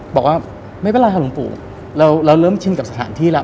บอกว่าไม่เป็นไรค่ะหลวงปู่เราเริ่มชินกับสถานที่แล้ว